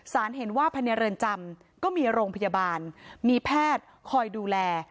เห็นว่าภายในเรือนจำก็มีโรงพยาบาลมีแพทย์คอยดูแล